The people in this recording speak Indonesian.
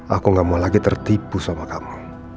aku gak mau lagi tertipu sama kamu